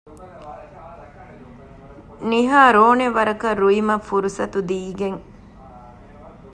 ނިހާ ރޯނެ ވަރަކަށް ރުއިމަށް ފުރުޞަތު ދީގެން